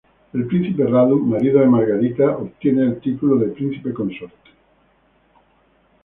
El príncipe Radu, marido de Margarita, obtiene el título de príncipe consorte.